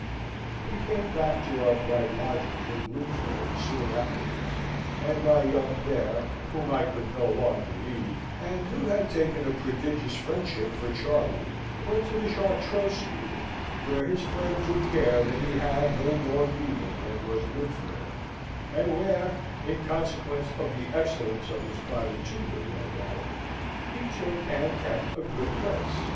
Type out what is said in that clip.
We came back to our bright lodgings in Bloomsbury soon afterwards, and my young bear, whom I could no longer lead, and who had taken a prodigious friendship for Charley, went to the Chartreux School, where his friend took care that he had no more beating than was good for him, and where (in consequence of the excellence of his private tutor, no doubt) he took and kept a good place.